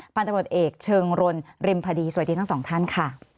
พันธบทเอกเชิงรนริมพดีสวัสดีทั้งสองท่านค่ะ